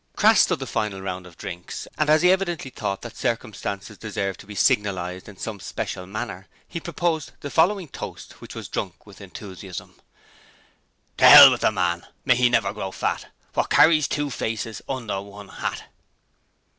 Crass stood the final round of drinks, and as he evidently thought that circumstance deserved to be signalized in some special manner, he proposed the following toast, which was drunk with enthusiasm: 'To hell with the man, May he never grow fat, What carries two faces, Under one 'at.'